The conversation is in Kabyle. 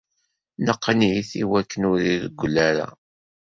Neqqen-it iwakken ur irewwel ara.